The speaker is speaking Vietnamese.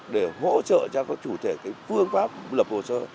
để hỗ trợ cho các chủ thể phương pháp lập hồ sơ